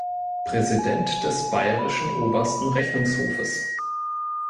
Präsident des Bayerischen Obersten Rechnungshofes.